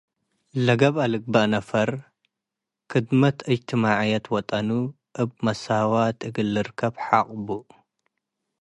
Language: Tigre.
ለገብአ ልግበእ ነፈር ከደማት እጅትማዕየት ወጠኑ እብ መሳዋት እግል ልርከብ ሐቅቡ።